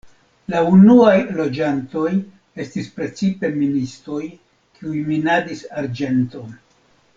La unuaj loĝantoj estis precipe ministoj, kiuj minadis arĝenton.